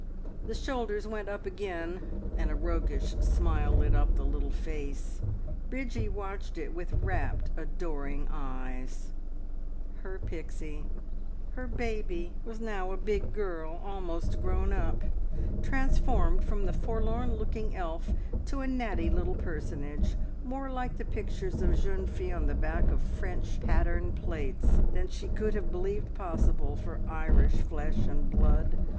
The shoulders went up again, and a roguish smile lit up the little face. Bridgie watched it with rapt, adoring eyes; her Pixie, her baby, was now a big girl, almost grown up, transformed from the forlorn looking elf to a natty little personage, more like the pictures of jeunes filles on the back of French pattern plates than she could have believed possible for Irish flesh and blood.